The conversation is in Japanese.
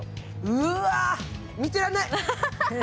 うわ、見てらんない。